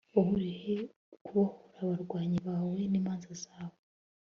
wowe urihe kubohora abarwanyi bawe nimana zawe